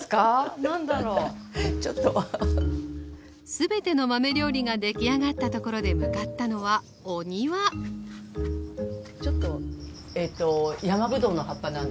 全ての豆料理が出来上がったところで向かったのはお庭ちょっとやまぶどうの葉っぱなんですね。